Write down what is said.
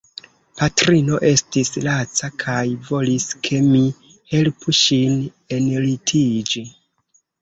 Patrino estis laca kaj volis ke mi helpu ŝin enlitiĝi.